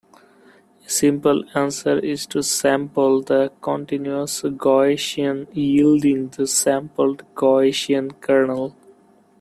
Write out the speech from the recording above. A simple answer is to sample the continuous Gaussian, yielding the sampled Gaussian kernel.